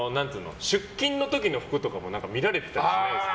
出勤の時の服も見られてたりしないですか。